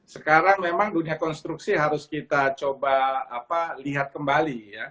sekarang memang dunia konstruksi harus kita coba lihat kembali